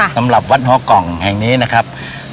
สำหรับวัดฮอกล่องแห่งนี้นะครับ